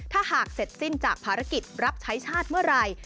ถ้าหากเสร็จสิ้นจากภารกิจรับใช้ชาติเมื่อไหร่